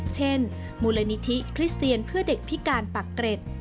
เช่นมูลนิธิคริสเตียนเพื่อเด็กพิการปักเกร็ด